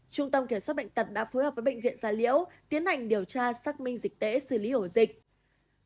trung tâm kiểm soát bệnh tật đã phối hợp với bệnh viện gia liễu tiến hành điều tra xác minh dịch tễ xử lý ổ dịch